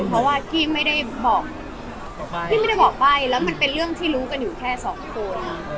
เพราะว่ากี้ไม่ได้บอกใบแล้วมันเป็นเรื่องที่รู้กันอยู่แค่สองคน